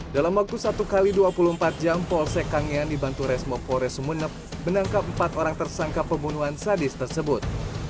dalam waktu satu x dua puluh empat jam polsek kangean dibantu resmo polres sumeneb menangkap empat orang tersangka pembunuhan sadis tersebut